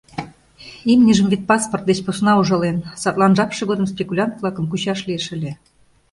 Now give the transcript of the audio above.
Имньыжым вет паспорт деч посна ужален, садлан жапше годым спекулянт-влакым кучаш лиеш ыле.